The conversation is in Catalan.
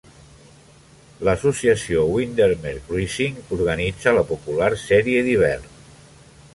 L'Associació Windermere Cruising organitza la popular sèrie d'hivern.